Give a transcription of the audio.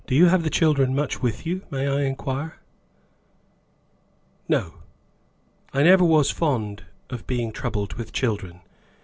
"Do you have the children much with you, may I inquire?" "No. I never was fond of being troubled with children.